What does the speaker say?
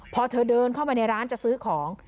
พอเธอเดินเข้าไปในร้านจะซื้อของ